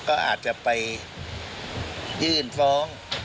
ก็อาจจะไปยื่นฟ้อง